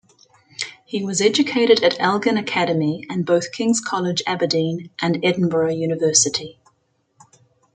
He was educated at Elgin Academy and both King's College, Aberdeen and Edinburgh University.